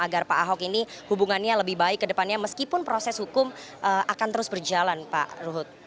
agar pak ahok ini hubungannya lebih baik ke depannya meskipun proses hukum akan terus berjalan pak ruhut